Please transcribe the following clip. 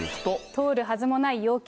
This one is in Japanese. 通るはずもない要求。